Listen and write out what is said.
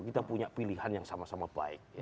kita punya pilihan yang sama sama baik